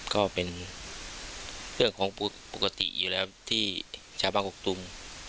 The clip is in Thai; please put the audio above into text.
ก็เป็นเรื่องของปกติอยู่แล้วที่ชาวบ้านกกตุง